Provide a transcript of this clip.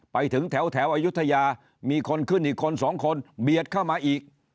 ไปถึงแถวอายุทยามีคนขึ้นอีกคนสองคนเบียดเข้ามาอีก